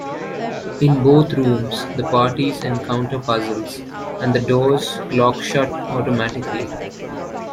In both rooms, the parties encounter puzzles, and the doors lock shut automatically.